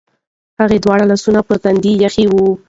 هغه دواړه لاسونه پر تندي ایښي و.